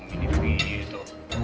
mami nih tuh